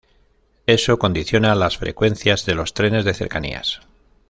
Eso condiciona las frecuencias de los trenes de cercanías.